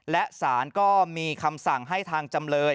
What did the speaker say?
และสารก็มีคำสั่งให้ทางจำเลย